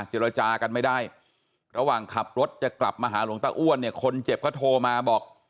เจรจากันไม่ได้ระหว่างขับรถจะกลับมาหาหลวงตาอ้วนเนี่ยคนเจ็บก็โทรมาบอก